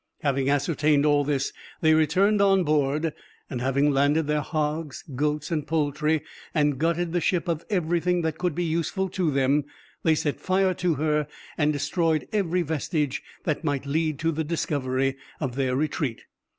Having ascertained all this, they returned on board, and having landed their hogs, goats, and poultry, and gutted the ship of everything that could be useful to them, they set fire to her, and destroyed every vestige that might lead to the discovery of their retreat.